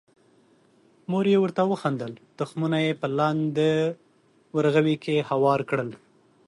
مور یې ورته وخندل، تخمونه یې په لانده ورغوي کې هوار کړل.